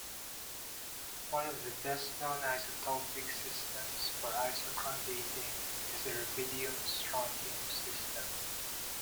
One of the best known isotopic systems for isochron dating is the rubidium-strontium system.